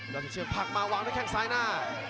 สายเหลี่ยมพักมาวางด้วยแข่งซ้ายหน้า